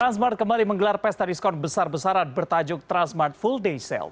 transmart kembali menggelar pesta diskon besar besaran bertajuk transmart full day sale